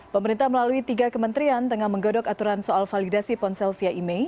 pemerintah melalui tiga kementerian tengah menggodok aturan soal validasi ponsel via imei